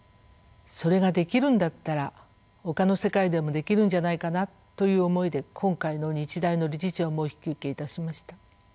それができるんだったらほかの世界でもできるんじゃないかなという思いで今回の日大の理事長もお引き受けいたしました。